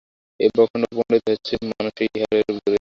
এই ব্রহ্মাণ্ড পড়িয়া রহিয়াছে, মানুষই ইহা এরূপ করিয়াছে।